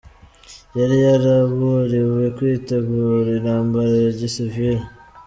Yari yaraburiwe kwitegura intambara ya gisivili.”